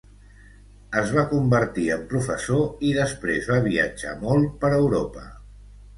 Es va convertir en professor i després va viatjar molt per Europa.